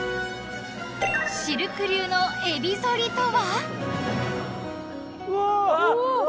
［シルク流のえび反りとは］